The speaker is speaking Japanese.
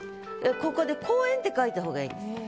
ここで「公演」って書いた方がいいんです。